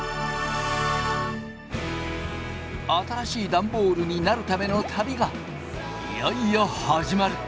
新しいダンボールになるための旅がいよいよ始まる！